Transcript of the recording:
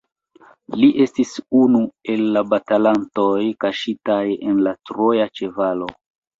Li estis unu el la batalantoj kaŝitaj en la Troja ĉevalo.